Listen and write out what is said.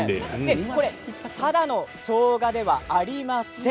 ただのしょうがではありません。